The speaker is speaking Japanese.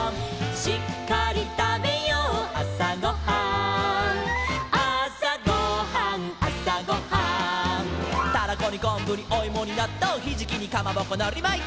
「しっかりたべようあさごはん」「あさごはんあさごはん」「タラコにこんぶにおいもになっとう」「ひじきにかまぼこのりまいて」